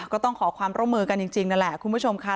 ก็ต้องขอความร่วมมือกันจริงนั่นแหละคุณผู้ชมค่ะ